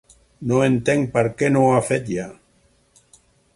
No entenc per què no ho ha fet ja.